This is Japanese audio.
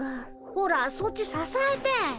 ほらそっちささえて。